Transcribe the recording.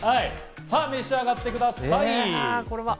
さぁ、召し上がってください！